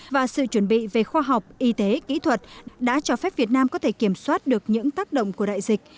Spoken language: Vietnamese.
và sự chuẩn bị về khoa học y tế kỹ thuật đã cho phép việt nam có thể kiểm soát được những tác động của đại dịch